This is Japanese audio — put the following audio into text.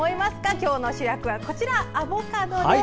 今日の主役はアボカドです。